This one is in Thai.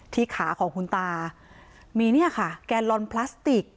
ขาของคุณตามีเนี่ยค่ะแกลลอนพลาสติก